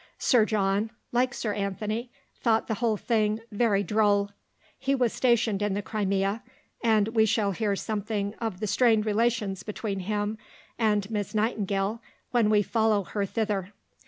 Sir John, like Sir Anthony, thought the whole thing "very droll." He was stationed in the Crimea, and we shall hear something of the strained relations between him and Miss Nightingale, when we follow her thither.